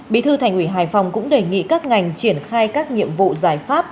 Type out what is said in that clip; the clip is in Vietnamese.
bí thư thành ủy hải phòng cũng đề nghị các ngành triển khai các nhiệm vụ giải pháp